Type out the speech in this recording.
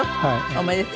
おめでとう。